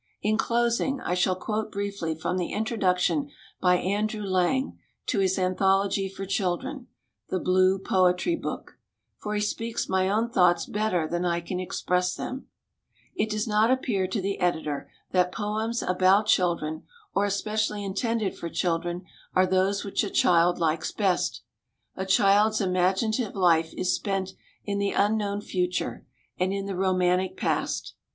In closing I shall quote briefly from the introduction by Andrew Lang to his anthology for children, "The Blue Po etry Book," for he speaks my own thoughts better than I can express them: "It does not appear to the Editor that poems about children, or especially intended for children, are those which a child likes best. A child's imaginative life is spent in the unknown future, and in the romantic past.